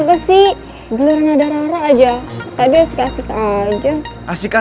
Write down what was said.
pilai randuin tuh